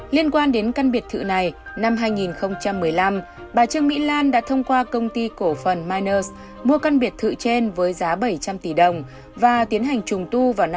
liên quan đến căn biệt thự này năm hai nghìn một mươi năm bà trương mỹ lan đã thông qua công ty cổ phần myners mua căn biệt thự trên với giá bảy trăm linh tỷ đồng và tiến hành trùng tu vào năm hai nghìn một mươi